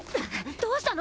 どうしたの？